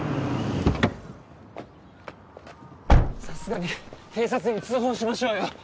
さすがに警察に通報しましょうよ。